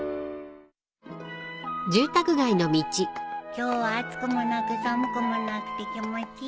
今日は暑くもなく寒くもなくて気持ちいいね。